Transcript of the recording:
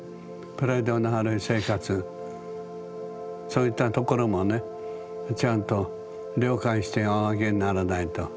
プライドのある生活そういったところもねちゃんと了解しておあげにならないと。